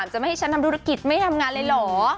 จะไม่ให้ฉันทำธุรกิจไม่ทำงานเลยเหรอ